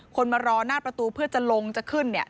คนมารอน่าประตูเพื่อจะลงจะขึ้นเนี่ย